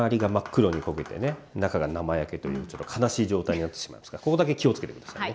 中が生焼けというちょっと悲しい状態になってしまいますからここだけ気を付けて下さいね。